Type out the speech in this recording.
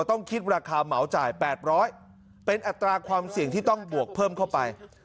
ต้องคิดราคาเหมาจ่าย๘๐๐เป็นอัตราความเสี่ยงที่ต้องบวกเพิ่มเข้าไป